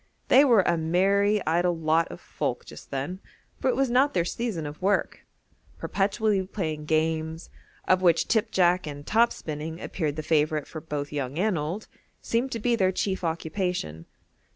They were a merry idle lot of folk just then, for it was not their season of work: perpetually playing games (of which tip jack and top spinning appeared the favourite for both young and old) seemed to be their chief occupation.